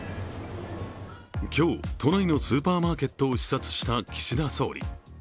今日、都内のスーパーマーケットを視察した岸田総理。